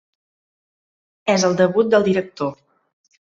És el debut del director.